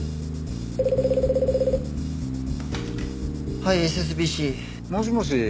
はいＳＳＢＣ。もしもし？